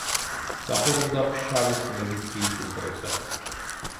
მსახურობდა ფშავის მილიციის უფროსად.